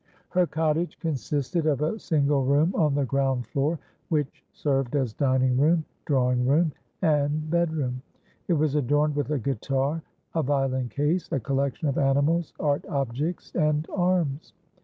Her cottage consisted of a single room on the ground floor, which served as dining room, drawing room, and bedroom; it was adorned with a guitar, a violin case, a collection of animals, art objects, and arms.